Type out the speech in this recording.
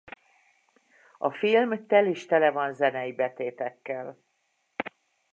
A film telis-tele van zenei betétekkel.